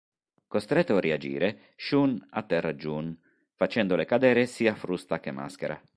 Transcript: Costretto a reagire, Shun atterra June, facendole cadere sia frusta che maschera.